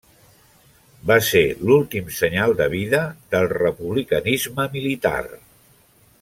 Va ser l'últim senyal de vida del republicanisme militar.